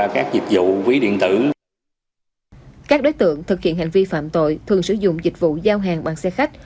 các đối tượng thực hiện hành vi phạm tội thường sử dụng dịch vụ giao hàng bằng xe khách